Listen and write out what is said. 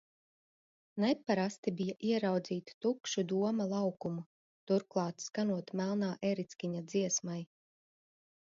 Neparasti bija ieraudzīt tukšu Doma laukumu, turklāt skanot melnā erickiņa dziesmai.